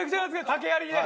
竹やりで？